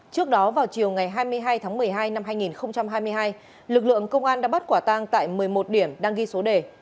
trước đó vào chiều ngày hai mươi hai tháng một mươi hai năm hai nghìn hai mươi hai lực lượng công an đã bắt quả tang tại một mươi một điểm đang ghi số đề